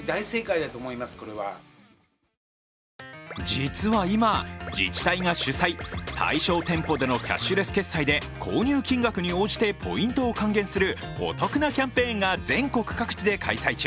実は今、自治体が主催、対象店舗でのキャッシュレス決済で購入金額に応じてポイントを還元するお得なキャンペーンが全国各地で開催中。